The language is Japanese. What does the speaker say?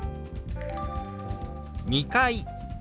「２階」。